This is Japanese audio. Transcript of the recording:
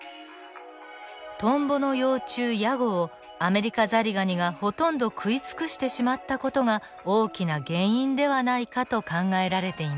トンボの幼虫ヤゴをアメリカザリガニがほとんど食い尽くしてしまった事が大きな原因ではないかと考えられています。